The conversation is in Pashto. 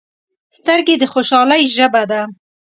سترګې د خوشحالۍ ژبه ده